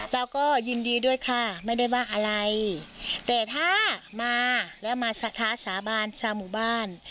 เราก็ยินดีด้วยค่ะไม่ได้ว่าอะไรแต่ถ้ามาแล้วมาสะท้าสาบานชาวหมู่บ้าน